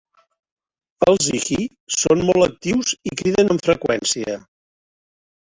Els hihi són molt actius i criden amb freqüència.